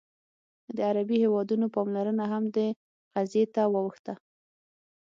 د عربي هېوادونو پاملرنه هم دې قضیې ته واوښته.